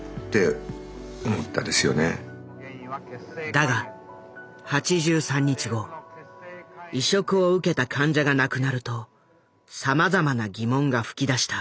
だが８３日後移植を受けた患者が亡くなるとさまざまな疑問が噴き出した。